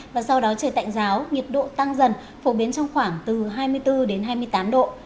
và sau đó trời tạnh giáo nhiệt độ tăng dần phổ biến trong khoảng từ hai mươi bốn đến hai mươi tám độ